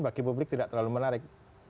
bagi publik tidak terlalu menarik